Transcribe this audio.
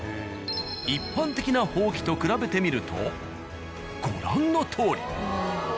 一般的な箒と比べてみるとご覧のとおり。